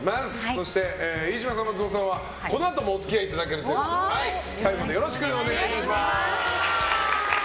そして飯島さん、松本さんはこの後もお付き合いいただけるということで最後までよろしくお願いします。